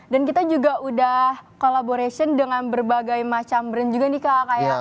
dan kita juga udah collaboration dengan berbagai macam brand juga nih kak